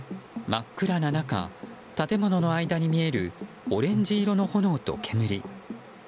真っ暗な中、建物の間に見えるオレンジ色の炎と煙。